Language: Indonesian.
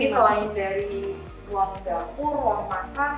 selain dari ruang dapur ruang makan